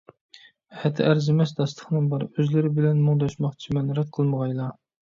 ئەتە ئەرزىمەس داستىخىنىم بار، ئۆزلىرى بىلەن مۇڭداشماقچىمەن، رەت قىلمىغايلا.